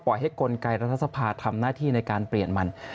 ให้กลไกรัฐสภาทำหน้าที่ในการเปลี่ยนมัน